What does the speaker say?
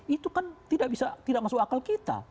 itu kan tidak masuk akal kita